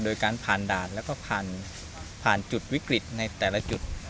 โดยการผ่านด่านแล้วก็ผ่านจุดวิกฤตในแต่ละจุด